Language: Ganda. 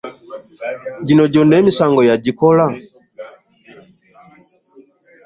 Gino gyona emisango yagikola?